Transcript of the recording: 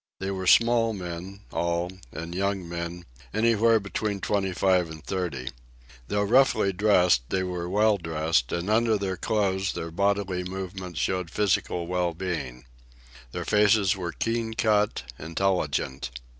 They were small men, all; and young men, anywhere between twenty five and thirty. Though roughly dressed, they were well dressed, and under their clothes their bodily movements showed physical well being. Their faces were keen cut, intelligent.